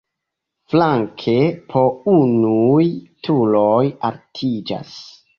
Flanke po unuj turoj altiĝas.